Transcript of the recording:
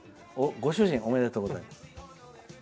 ご主人、おめでとうございます。